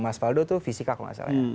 mas valdo itu fisika kalau nggak salah